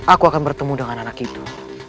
aku akan bertemu dengan anak itu